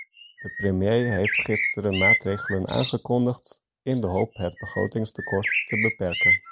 De premier heeft gisteren maatregelen aangekondigd in de hoop het begrotingstekort te beperken.